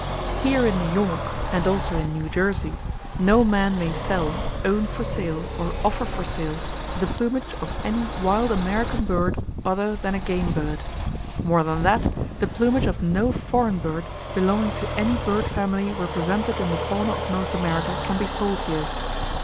Here in New York (and also in New Jersey) no man may sell, own for sale or offer for sale the plumage of any wild American bird other than a game bird. More than that, the plumage of no foreign bird belonging to any bird family represented in the fauna of North America can be sold here!